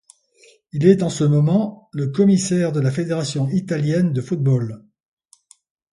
Il est en ce moment le commissaire de la fédération italienne de football.